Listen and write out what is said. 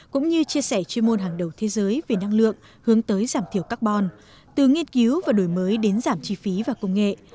cũng như chia sẻ chuyên môn hàng đầu thế giới về năng lượng hướng tới giảm thiểu carbon từ nghiên cứu và đổi mới đến giảm chi phí và công nghệ